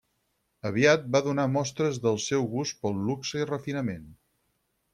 Aviat va donar mostres del seu gust pel luxe i refinament.